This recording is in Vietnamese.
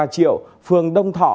ba triệu phường đông thọ